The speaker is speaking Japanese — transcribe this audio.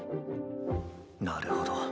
なるほど。